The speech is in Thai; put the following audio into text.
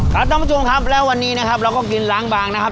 ท่านผู้ชมครับแล้ววันนี้นะครับเราก็กินล้างบางนะครับ